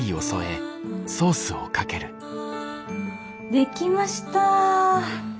できました！